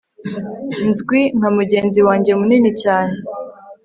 Nzwi nka mugenzi wanjye munini cyane